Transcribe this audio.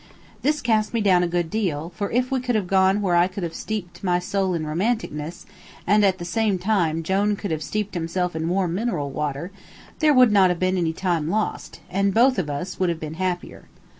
This cast me down a good deal; for if we could have gone where I could have steeped my soul in romanticness, and at the same time Jone could have steeped himself in warm mineral water, there would not have been any time lost, and both of us would have been happier.